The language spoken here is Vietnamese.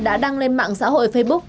đã đăng lên mạng xã hội facebook